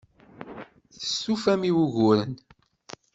Testufam i wuguren.